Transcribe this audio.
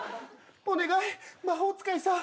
お願い魔法使いさん。